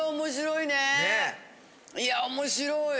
いや面白い！